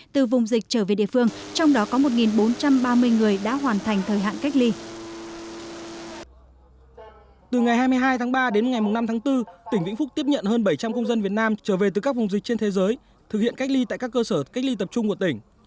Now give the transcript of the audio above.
từ ngày hai mươi hai tháng ba đến ngày năm tháng bốn tỉnh vĩnh phúc tiếp nhận hơn bảy trăm linh công dân việt nam trở về từ các vùng dịch trên thế giới thực hiện cách ly tại các cơ sở cách ly tập trung của tỉnh